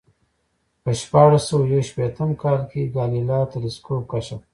په شپاړس سوه یو شپېتم کال کې ګالیله تلسکوپ کشف کړ